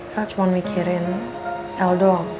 kau cuma mikirin el doang